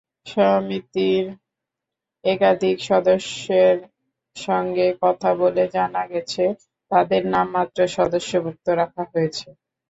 সমিতির একাধিক সদস্যের সঙ্গে কথা বলে জানা গেছে, তাঁদের নামমাত্র সদস্যভুক্ত রাখা হয়েছে।